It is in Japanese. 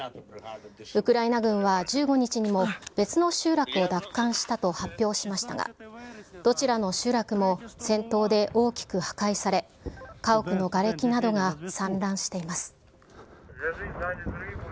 ウクライナ軍は１５日にも別の集落を奪還したと発表しましたが、どちらの集落も戦闘で大きく破壊され、家屋のがれきなどが散乱しています。